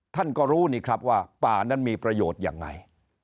ท่านก็รู้นี่ครับว่าป่านั้นมีประโยชน์ยังไง